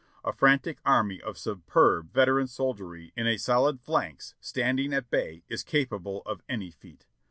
A frantic army of superb veteran soldiery in a solid phalanx, standing at bay, is capable of any feat.